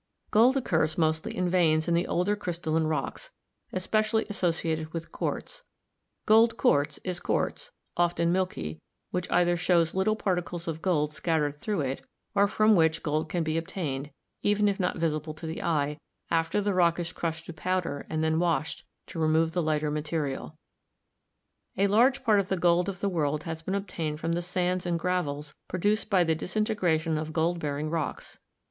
Gold occurs mostly in veins in the older crystalline rocks, especially associated with quartz; gold quartz is quartz — often milky — which either shows little par ticles of gold scattered through it, or from which gold can be obtained — even if not visible to the eye — after the rock is crushed to powder and then washed to remove the lighter material. A large part of the gold of the world has been obtained from the sands and gravels pro duced by the disintegration of gold bearing rocks.